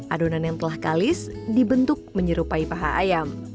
adonan yang telah kalis dibentuk menyerupai paha ayam